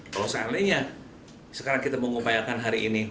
kalau seandainya sekarang kita mengupayakan hari ini